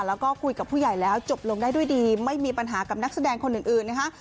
แล้วก็คุยกับผู้ใหญ่แล้วจบลงได้ด้วยดีไม่มีปัญหากับนักแสดงคนอื่นนะคะ